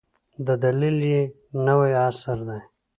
د دلیل یې نوی عصر دی.